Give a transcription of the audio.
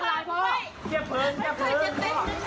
ไม่เป็นไรพ่อไม่เป็นไรพ่อ